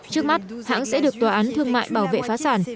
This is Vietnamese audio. trước mắt hãng sẽ được tòa án thương mại bảo vệ phá sản